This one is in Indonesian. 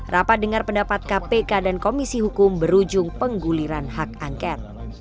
rapat dengar pendapat kpk dan komisi hukum berujung pengguliran hak angket